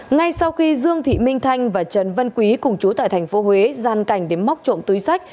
ngay sau khi dương thị minh thanh và trần vân quý cùng chú tại tp huế gian cảnh đến móc trộm túi sách